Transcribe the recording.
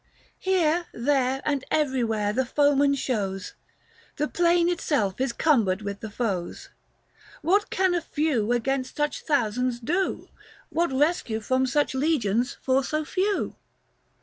Here, there, and everywhere the foeman shows, The plain itself is cumbered with the foes ; What can a few against such thousands do ; What rescue from such legions for so few